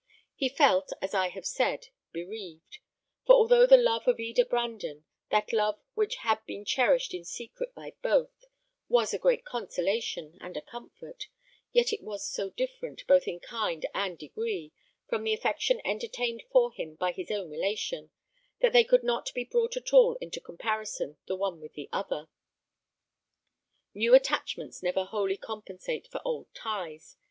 He felt, as I have said, bereaved; for although the love of Eda Brandon, that love which had been cherished in secret by both, was a great consolation and a comfort, yet it was so different, both in kind and in degree, from the affection entertained for him by his own relation, that they could not be brought at all into comparison the one with the other. New attachments never wholly compensate for old ties.